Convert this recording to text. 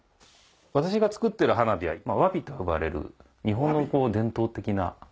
私が作ってる花火は和火と呼ばれる日本の伝統的な花火。